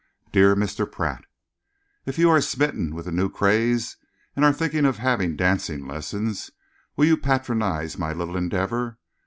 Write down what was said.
Dear Mr. Pratt, If you are smitten with the new craze and are thinking of having dancing lessons, will you patronise my little endeavour?